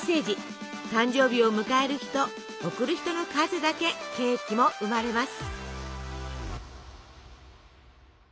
誕生日を迎える人贈る人の数だけケーキも生まれます。